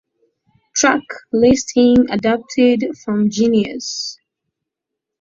Track listing adapted from Genius